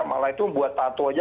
malah itu buat tatu aja